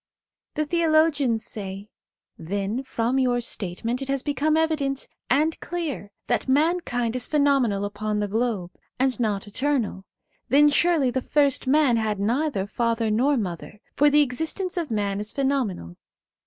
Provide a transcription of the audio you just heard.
The theologians say :* Then from your statement it has become evident and clear that mankind is pheno menal upon the globe, and not eternal. Then surely the first man had neither father nor mother, for the existence of man is phenomenal.